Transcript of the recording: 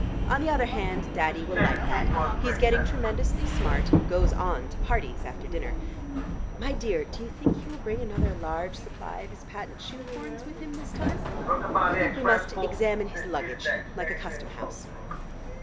On the other hand Daddy will like that: he's getting tremendously smart, and 'goes on' to parties after dinner. My dear, do you think he will bring another large supply of his patent shoe horns with him this time? I think we must examine his luggage, like a customhouse."